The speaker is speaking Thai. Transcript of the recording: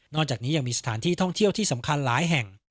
จากนี้ยังมีสถานที่ท่องเที่ยวที่สำคัญหลายแห่ง